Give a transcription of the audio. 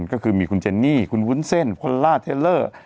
ก็คือมีคุณเจนนี่คุณวุ้นเส้นพลล่าเทลเลอร์